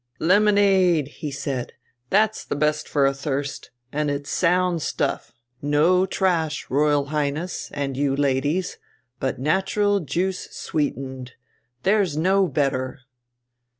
"Lemonade!" he said. "That's best for a thirst, and it's sound stuff! no trash, Royal Highness, and you, ladies, but natural juice sweetened there's no better!"